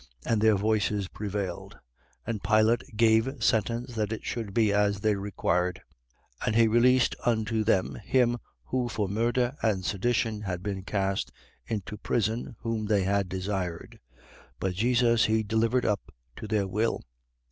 And their voices prevailed. 23:24. And Pilate gave sentence that it should be as they required. 23:25. And he released unto them him who for murder and sedition had been cast into prison, whom they had desired. But Jesus he delivered up to their will.